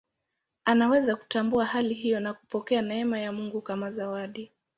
Anaweza kutambua hali hiyo na kupokea neema ya Mungu kama zawadi.